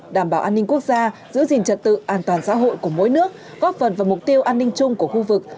đảm bảo an ninh quốc gia giữ gìn trật tự an toàn xã hội của mỗi nước góp phần vào mục tiêu an ninh chung của khu vực